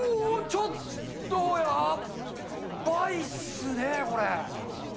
ちょっと、やっばいすね、これ。